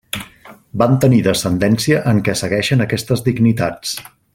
Van tenir descendència en què segueixen aquestes dignitats.